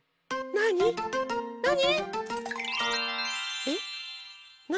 なに？